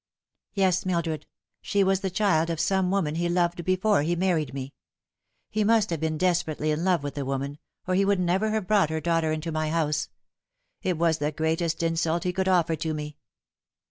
'Yes, Mildred, she was the child of some woman he loved before he married me. He must have been desperately in love with the woman, or he would never have brought her daughter into my house. It was the greatest insult he could offer to me."